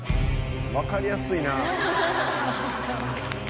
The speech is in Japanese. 「わかりやすいな」